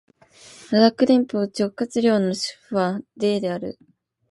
ラダック連邦直轄領の首府はレーである